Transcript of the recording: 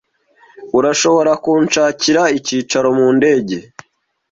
Urashobora kunshakira icyicaro mu ndege?